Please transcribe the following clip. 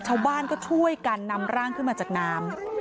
ชาวบ้านก็ช่วยกันนำร่างขึ้นมาจากน้ำ